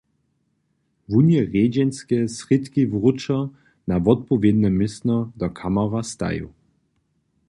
Wón je rjedźenske srědki wróćo na wotpowědne městno do kamora stajił.